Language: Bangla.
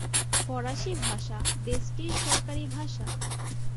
ফরাসি ভাষা দেশটির সরকারি ভাষা।